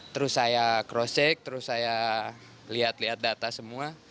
terus saya crosscheck terus saya lihat lihat data semua